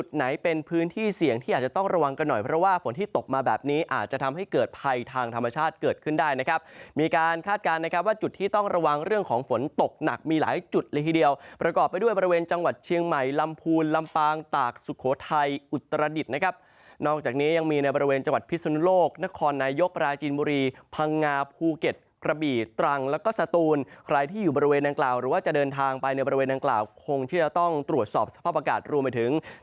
ไทยทางธรรมชาติเกิดขึ้นได้นะครับมีการคาดการณ์นะครับว่าจุดที่ต้องระวังเรื่องของฝนตกหนักมีหลายจุดหลายทีเดียวประกอบไปด้วยบริเวณจังหวัดเชียงใหม่ลำพูนลำปางตากสุโขทัยอุตรดิตนะครับนอกจากนี้ยังมีในบริเวณจังหวัดพิศนโลกนครนายกรายจีนบุรีพังงาภูเก็ตกระบี่ตรังแล้วก็สต